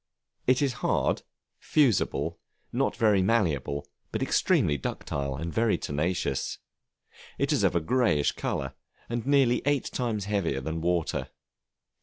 It is hard, fusible, not very malleable, but extremely ductile, and very tenacious; it is of a greyish color, and nearly eight times heavier than water.